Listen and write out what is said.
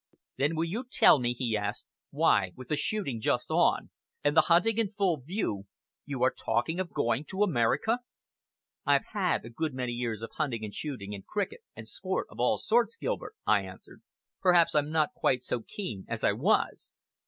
"Then will you tell me," he asked, "why, with the shooting just on, and the hunting in full view, you are talking of going to America?" "I've had a good many years of hunting and shooting and cricket and sport of all sorts, Gilbert," I answered. "Perhaps I'm not quite so keen as I was."